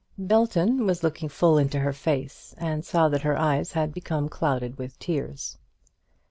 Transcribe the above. Belton was looking full into her face, and saw that her eyes had become clouded with tears.